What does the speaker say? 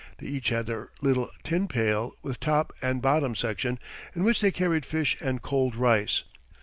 They each had their little tin pail with top and bottom section, in which they carried fish and cold rice.